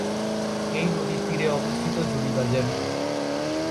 এই নদীর তীরে অবস্থিত জুরিবাজার।